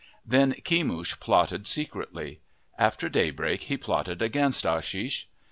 Then Kemush plotted secretly. After daybreak he plotted against Ashish.